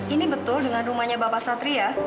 ini betul dengan rumahnya bapak satria